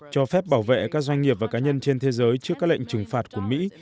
cho phép bảo vệ các doanh nghiệp và cá nhân trên thế giới trước các lệnh trừng phạt của mỹ